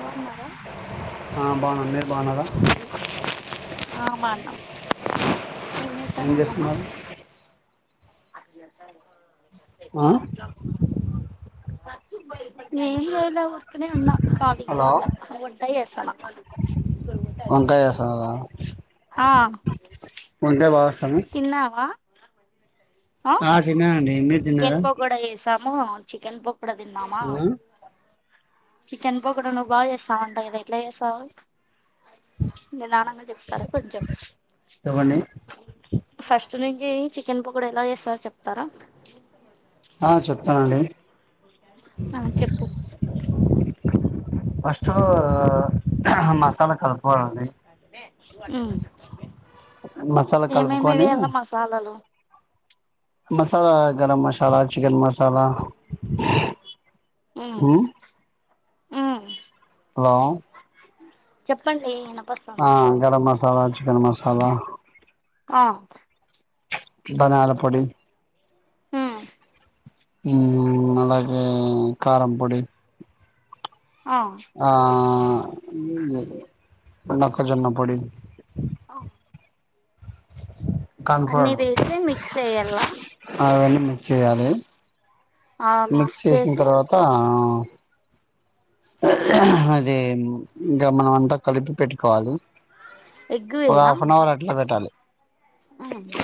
బాగున్నారా హా బాగున్నాం మీరు బాగున్నారా ఆ బాగున్నం ఏం చేస్తున్నావు అమ్మమ్మ [unintelligible] ఆ ఏం లేదులే ఉ ఊరకనే ఉన్నా ఖాళీగా హలో ఉన్నా వంట చేస్తున్నా వంకాయ చేస్తున్నారా ఆ వంకాయ బాగా వస్తాను తిన్నావా అ ఆ తిన్నానండి. మీరు తిన్నారా. మో చికెన్ పోక్. ప్పుడే తిందామా. ఆ చికెన్ పకోడా నువ్ బాగా చేస్తావంట గదా ఎట్ల చేస్తావ్ నిదానంగా చెప్తారా కొంచెం. చెప్పండి ఫస్ట్ నుంచీ. చికెన్ పకోడా ఎలా చేేస్తరో చెప్తారా. ఆ చెప్తానండి. ఆ చెప్పు. ఫస్ట్ అమ్మా ఊ మసాలా ఏమేమి కలుపుకొని వేయాల మసాలలు. Masala garam masala chicken masala. ఊ ఉమ్ హలో చెప్పండి వినప్ ఆ గరం మసాలా చికెన్ మసాలా. ఆ ధనియాల పొడి. ఊ ఊ అలాగే కారం పొడి. ఆ ఆ మొక్కజొన్న పొడి. అన్ని కన్ఫర్మ్ వేసి మిక్స్ యేయాల మిక్స చేయాలి. మిక్స్ చేసిన తర్వాతా ఇది ఇంక మనం అంతా కలిపి పెట్టుకోవాలి. ఒక హాఫ్ అన్ అవర్ అట్ల పెట్టాలి. ఔనా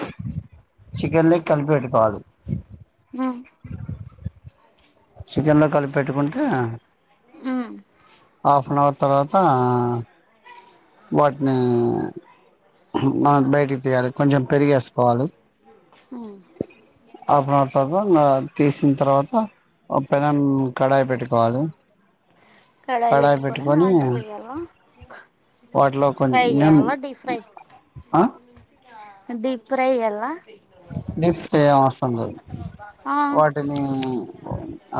చికెన్ లెక్ కలిపెట్టుకోవాలి. ఆ చికెన్ లో కలిప్పేట్టుకుంటే. ఉమ్ హాఫెన్హవర్. తర్వాతా ఆ వాటినీ బాగ్ బయటికి తీయాలి కొంచెం పెరిగేసుకోవాలి ఉమ్ ఆఫ్ నవర్ తర్వాత ఇంకా తీసిన తర్వాత ఒక పెనము కడాయి పెట్టు కడాయి పెట్టుకొని దాంటో వేయాలా వాటిలో కొన్ [unintelligible] ఆ డీప్ ఫ్రై ఎయ్యాల్నా డీప్ ఫ్రై అవసరం లేదు ఆ వాటిని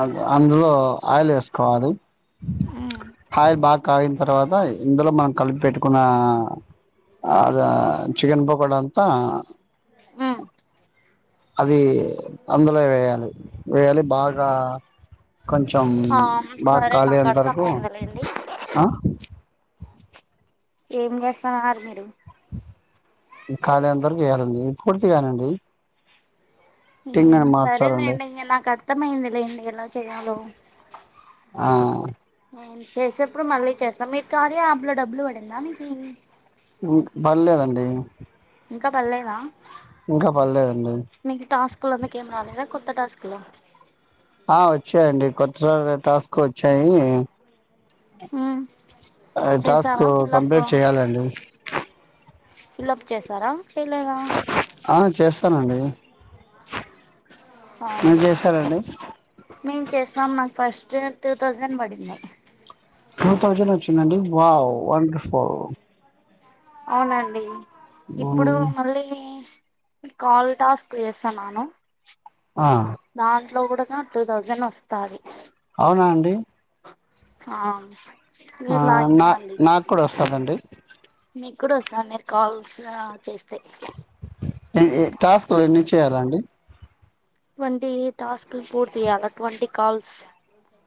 అ అందులో ఆయిల్ ఏసుకోవాలి ఉమ్ ఆయిల్ బాగా కాగిన తర్వాత ఇందులో మనం కలిపి పెట్టుకున్న అదె చికెన్ పకోడా అంతా మ్మ్ అది అందులో వేయాలి వేయాలి బాగా కొంచెం ఆ బాగా సరే కాలే నాకు అంతవరకు అర్థమయిందిలేండి ఆ ఏమి చేస్తాన్నారు మీరు కాలేంతవరకు వేయాలండి పూర్తిగానండి టింగ్ హమ్ అని మార్చాలండి సరేలేండి ఇంక నాకు అర్థమయిందిలేండి ఎలా చెయ్యాలో ఆ నేను చేసేప్పుడు మళ్ళీ చేస్తాం మీరు కార్య యాప్ ల డబ్బులు పడిందా మీకి ఉం పడ్లేదండి ఇంకా పడ్లేదా పర్లేదండి మీకు టాస్కుల మీకేం రాలేదా కొ త్త టాస్కుల ఆ వచ్చాయండి కొత్త టాస్కులొచ్చాయి మ్మ్ అ టాస్క్ చేసారా ఫిల్అప్ కంప్లీట్ చెయ్యాలండి ఫిల్లప్ చేశారా చెయ్ లేదా త్తానండి ఆహా మేం చేసాం నాక్ ఫస్ట్ టూ తౌసండ్ పడింది టూ థౌజెండ్ వచ్చిందండి వావ్ వండర్ ఫుల్ అ అవునండి ఇప్పుడు మ్మ్. మళ్ళీ కాల్ టాస్క్ వేసా నాను ఆ ఇంట్లో కూడొ క టూ థౌజండ్ వస్తారు అవునా అండి ఆమ్ ఆ న నాక్కూడా వస్తదండి మీకు కూడా వస్తాను మీరు కాల్స్ చేస్త ఎ ఎ టాస్కులు ఎన్ని చేయాలాండి ట్వంటీ టాస్కులు పూర్తిచేయాల ట్వంటీ కాల్స్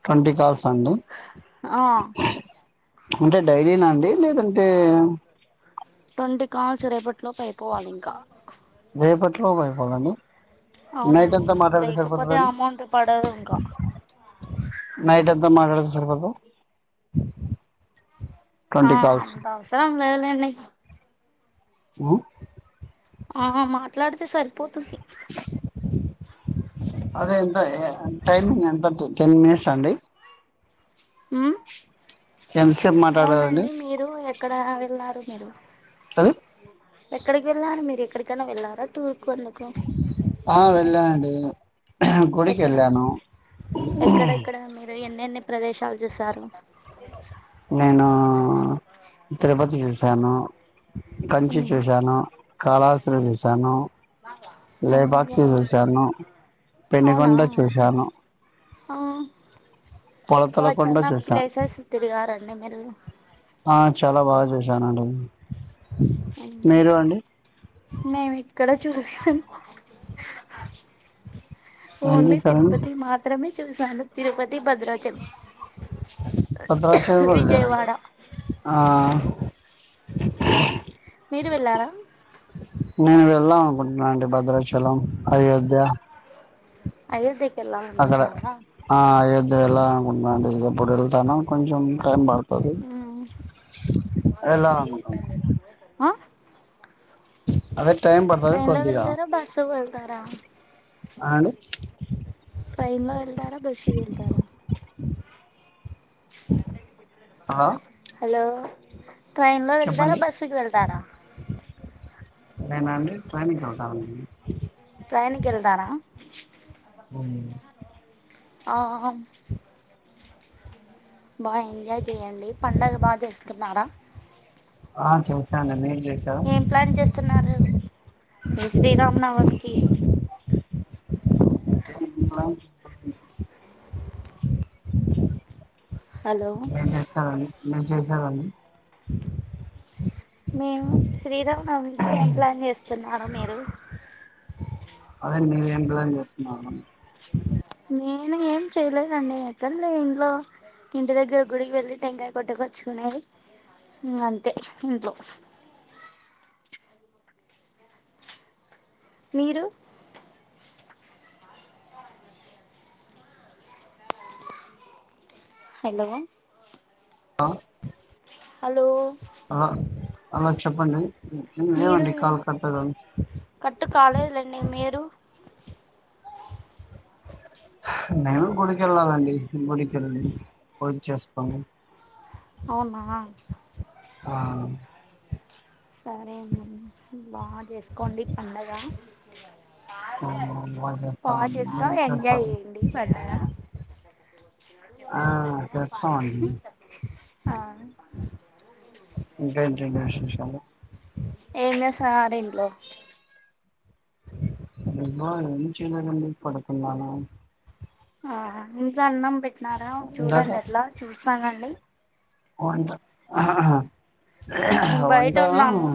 ట్వంటీ కాల్సా అండి ఆ ఉంటే డైలీనా అండి లేదంటే ట్వంటీ కాల్స్ చి రేపట్లోపు అయిపోవాలి ఇంకా రేపట్లోపు అయి పోవాలా అండి నైట్ అవునండి అంతా మాటాడితే లేకపోతే సరిపోతదా అండి అమౌంట్ పడదు ఇంకా నైట్ అంతా మాటాడతే సరిపోద్ధా ఆ కాల్స్ అంత అవసరం లేదులేండి ఆ ఆ మాట్లాడితే సరిపోతుంది అదే ఎంత టైమింగ్ ఎంత ఉంటది టెన్ మినిట్సా అండి మ్.. ఎంతసేపు మాట్లాడాలండి అవునండి మీరు ఎక్కడా వెళ్ళారు [unintelligible] హ [unintelligible] ఎక్కడికి వెళ్ళారు మీరు ఎక్కడికైనా వెళ్ళారా టూర్ కు అందుకు ఆ వెళ్ళానండి గుడికి ఎక్కడ వెళ్ళాను ఎన్ని ప్రదేశాలు చూసారు నేనూ తరుపతి చూసి సాను కంచి ఉమ్ చూశాను కళాహస్తి చూశాను లేపాక్షి చూశాను అవునా పెనుగొండ చూశాను అ. పొలతల వా కొండ చాన చూశా ప్లేసెస్ తిరిగారండి మీరు ఆ చాలా బాగా చూసానండి మేంఇక్కడ చూ [unintelligible] ఏం ఓన్లీ చూశారండి తిరుపతి మాత్రమే చూసాను తిరుపతి బద్రాచలం భద్రాచలం కూడా వెళ్ళారండి విజయవాడ ఆ [unintelligible] మీరు వెళ్ళారా నేను వెళ్దాం అనుకుంటున్నా అండి భద్రాచలం అయోధ్య అయోధ్య వెళ్ళామనుకుంటున్నారా ఎలా అనుకుటన్ నండీ ఎపుడు వెళ్తానో కొంచెం టైం పడుత ఉ వెళ్ళాలనుకుంటున్నా ఆ అదే టైం పడుతది ట్రైన్లో కొద్దిగా వెళ్తారా బస్ కు వెళ్తారా అండి ట్రైన్లో వెళ్తారా బస్ కు వెళ్తారా హలో హలో ట్రైన్ లో వెళ్తారా చెప్పండి బస్సుకి వెళ్తారా నేన అండి ట్రైన్ కి వెళ్తానండి ట్రైన్ కి వెళ్తారా అవును ఆ ఆ బాగా ఎంజాయ్ చేయండి పండగ బాగా చేస్తున్నారా ఆ చూశానండి ఏం ప్లాన్ చేస్తున్నారు శ్రీరామనవమికి ఏమ్ ప్లాన్ హలో ఏం చేస్తారండి మేం చేశారండి మీము శ్రీరామ్ నమికి ఏం ప్లాన్ చేసాం తిన్నార మీరు అదే మీరేం ప్లాన్ చేస్తున్నారు నేను ఏం చేయలేదండి ఎక్కడ లే ఇంట్లో ఇంటి దగ్గర గుడికి వెళ్ళి టెంకాయ కొట్టకుచ్చుకునేది ఇగ అంతే ఇంట్లో మీరు హలో ఆ హలో అ అలా చెప్పండి మీరు ఏమండి కాల్ కట్ అయితుంది కట్టు కాలేదు లేండి మీరు నేను గుడికెళ్ళాలండి గుడికెళ్ళి పూజ చేస్తాను అవునా ఆ సరే అండి బాగా చేసుకోండి పండగ భోం బాగా చేస్తామండి చేస్కో మీరు ఎంజాయ్ చేస్తారా చేయండి పండగా ఆ చేస్తామండి ఆ ఇంకేంటండి విశేషాలు ఏమ్లే సార్ ఇంట్లో నిన్న ఏమ్ చేయలేదండి పడుకున్నాను ఆ ఇంకా అన్నం పెట్టినారా చూడండి అట్లా చూస్ గండి [unintelligible] కోంట [unintelligible] మేము బయట అవ్వంటా ఉన్నాము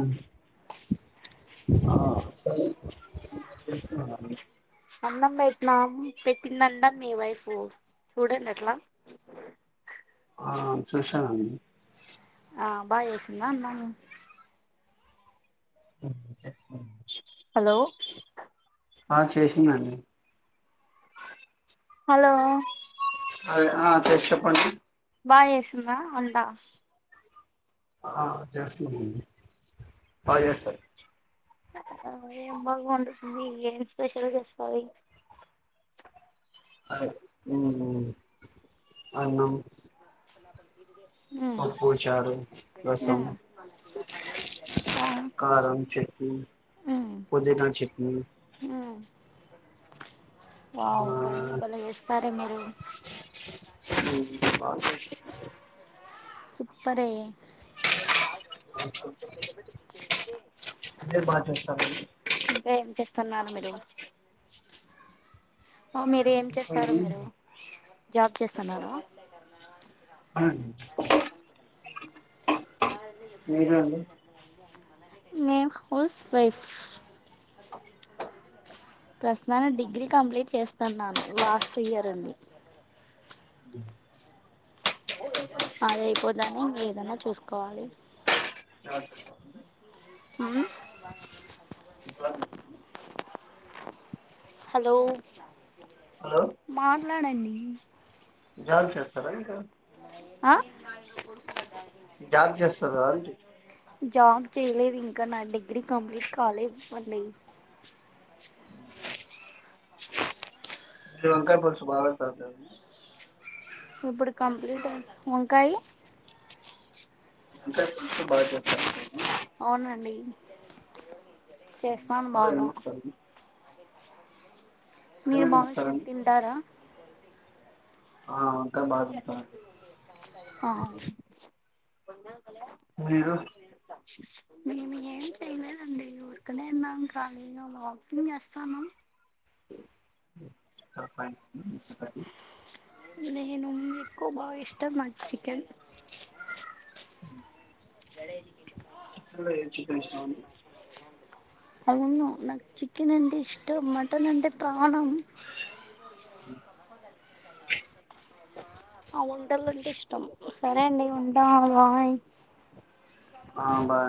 [inaudible] అన్నం పెట్నాము పెట్టిందండ మీ వైఫు చూడండి అట్లా ఆ చూసానండి ఆ బాగా చేసిందా అన్నాము [inaudible] హలో ఆ చేసిందండి హలో అదే ఆ చెప్పండి బాగ చేసిందా వంట ఆ జ ఎస్ స [inaudible] ఏం బాగొండుతుంది ఏం స్పెషల్ చేస్తాది అ అన్నం [inaudible] పప్పు చారు రసం ఉమ్ ఆ కారం చట్నీ ఉమ్ పుదీనా చట్నీ ఉమ్ ఆ వావ్ అన్ని బలే చేస్తారే మీరు [inaudible] సుప్పరే బాగా చేస్తారండి [inaudible] మిరు [inaudible] ఒ మీరు ఏం చేస్తారు మీరు జాబ్ చేస్తున్నారా [inaudible] మీరు [unintelligible] నేన్ హౌస్ వైఫ్ [inaudible] ప్రస్తుతానికి డిగ్రీ కంప్లీట్ చేస్తున్నాను లాస్ట్ ఇయర్ ఉంది [unintelligible] అండి అదయిపోతానె ఏదన్నా చూసుకోవాలి అ మ [inaudible] హలో హలో మాట్లాడండి జాబ్ చేస్తారా ఇంకా [inaudible] జబ్ చేస్త అంట జాబ్ చేయలేదు ఇంకా నా డిగ్రీ కంప్లీట్ కాలేదు మళ అ అ వంకర పషు బావతత ఇప్పుడు కంప్లీట్ అయి వంకాయ ఇకా బా జ అవునండి చేస్తాను అందులో ఏం బాగా వేస్తారు మీరు ఏమేమి బాగా చెట్ వేస్తారండి తింటారా ఆ మారు కొన్న వగా మేము ఏం చేయలేదండి ఊరికనే విన్నాం కనీ వాకింగ్ చేస్తాను అఫ నేను ఎక్కువ బాగా ఇష్టం నా చికెన్ గడ ఎదికి చికెన్ లో చికెన్ ఇష్టం ఉంది అవు నా చికన్ ఎంట ఇష్టం మటన్ అంట ప్రాణ ఆ వంటలుంటే ఇష్టం సరే అండి వంట బాయి్ ఆ బా